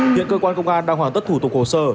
hiện cơ quan công an đang hoàn tất thủ tục hồ sơ